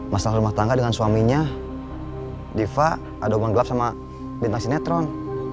masalah rumah tangga dengan suaminya diva ada hubungan gelap sama bintang sinetron